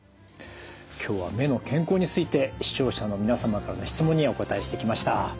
今日は目の健康について視聴者の皆様からの質問にお答えしてきました。